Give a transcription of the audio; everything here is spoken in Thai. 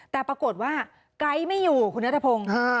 แต่ปรากฏว่าไก๊ไม่อยู่คุณนัทพงศ์